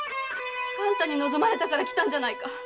あんたに望まれたから来たんじゃないか！